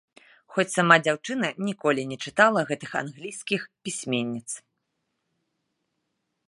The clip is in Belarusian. Хоць сама дзяўчына ніколі не чытала гэтых англійскіх пісьменніц.